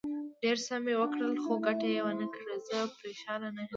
ډېر څه مې وکړل، خو ګټه یې ونه کړه، زه پرېشانه نه یم.